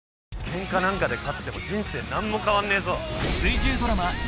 ケンカなんかで勝っても人生何も変わんねえぞ。